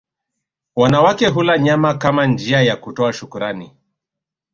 Wanawake hula nyama kama njia ya kutoa shukurani